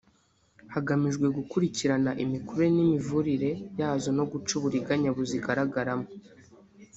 hagamijwe gukurikirana imikurire n’imivurire yazo no guca uburiganya buzigaragaramo